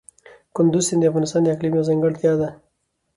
کندز سیند د افغانستان د اقلیم یوه ځانګړتیا ده.